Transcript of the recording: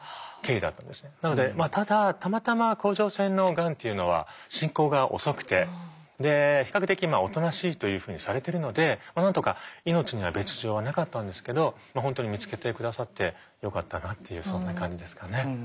なのでただたまたま甲状腺のがんというのは進行が遅くて比較的おとなしいというふうにされてるのでなんとか命には別状はなかったんですけど本当に見つけて下さってよかったなっていうそんな感じですかね。